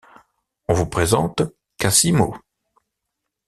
On vous présente Cassimo.